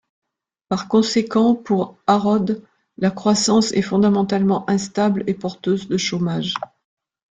Par conséquent, pour Harrod, la croissance est fondamentalement instable et porteuse de chômage.